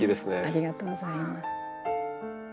ありがとうございます。